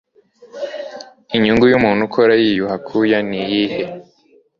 inyungu y'umuntu ukora yiyuha akuya ni iyihe